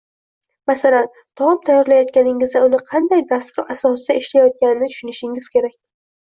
Masalan, taom tayyorlayotganingizda uni qanday dastur asosida ishlayotganini tushunishingiz kerak.